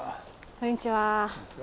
こんにちは。